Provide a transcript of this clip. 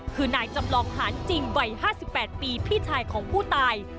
คือนายจำลองหานจริงวัย๕๘ปีพี่ชายของผู้ตาย